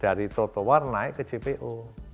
dari trotoar naik ke jpo